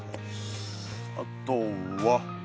あとは。